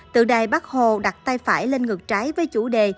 tượng đài bắc hồ đặt tay phải lên ngược trái với chủ đề